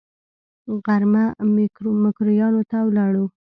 غرمه ميکرويانو ته ولاړو.